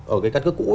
ở cái căn cước cũ